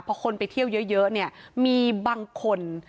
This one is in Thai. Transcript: พอคนไปเที่ยวเยอะเนี่ยมีบางคน